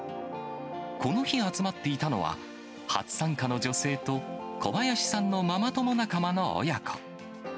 この日集まっていたのは、初参加の女性と、小林さんのママ友仲間の親子。